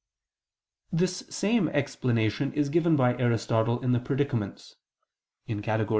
This same explanation is given by Aristotle in the Predicaments (Categor.